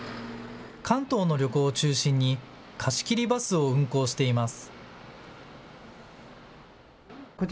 関東の旅行を中心に貸し切りバスを運行しています。